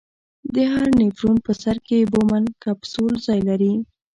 د هر نفرون په سر کې بومن کپسول ځای لري.